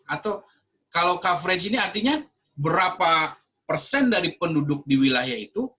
atau kalau coverage ini artinya berapa persen dari penduduk di wilayah itu